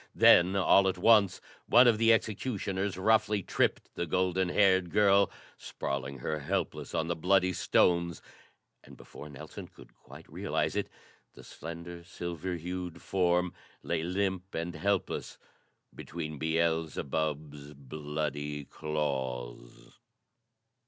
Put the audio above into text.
Then, all at once, one of the executioners roughly tripped the golden haired girl, sprawling her helpless on the bloody stones; and, before Nelson could quite realize it, the slender, silver hued form lay limp and helpless between Beelzebub's bloody claws.